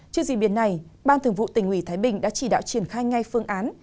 trước diễn biến này ban thường vụ tỉnh ủy thái bình đã chỉ đạo triển khai ngay phương án